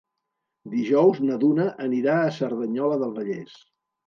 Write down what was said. Dijous na Duna anirà a Cerdanyola del Vallès.